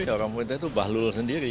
ya orang pemerintah itu bah luluh sendiri